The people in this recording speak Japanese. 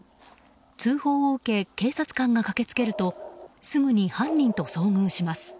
通報を受け警察官が駆けつけるとすぐに犯人と遭遇します。